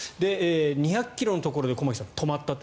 ２００ｋｍのところで止まったと。